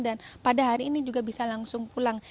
dan pada hari ini juga bisa langsung pulang